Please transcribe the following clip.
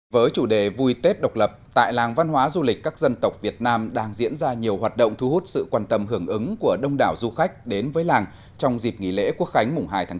với chủ đề vui tết độc lập tại làng văn hóa du lịch các dân tộc việt nam đang diễn ra nhiều hoạt động thu hút sự quan tâm hưởng ứng của đông đảo du khách đến với làng trong dịp nghỉ lễ quốc khánh mùng hai tháng chín